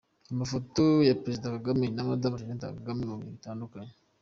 Amafoto ya Perezida Kagame na Madamu Jeannette Kagame mu bihe bitandukanye.